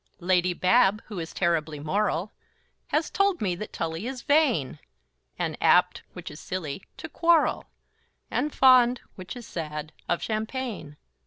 Lady Bab, who is terribly moral, Has told me that Tully is vain, And apt which is silly to quarrel, And fond which is sad of champagne.